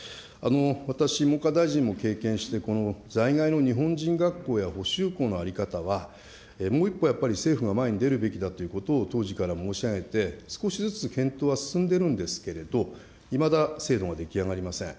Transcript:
私、文科大臣も経験して、この在外の日本人学校や校の在り方は、もう一歩やっぱり政府が前に出るべきだというふうに、当時から申し上げて、少しずつ検討は進んでいるんですけれども、いまだ制度が出来上がりません。